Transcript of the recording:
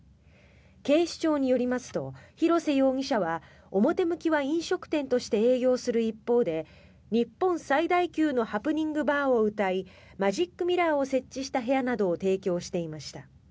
警視庁によりますと廣瀬容疑者は表向きは飲食店として営業する一方で日本最大級のハプニングバーをうたいマジックミラーを設置した部屋などを提供していました。